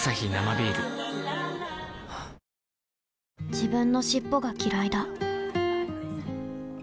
自分の尻尾がきらいだ